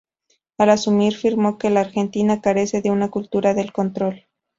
Al asumir afirmó que "la Argentina carece de una cultura del control".